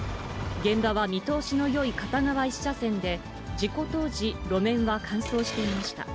現場は見通しのよい片側１車線で、事故当時、路面は乾燥していました。